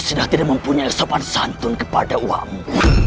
sudah tidak mempunyai sopan santun kepada uakmu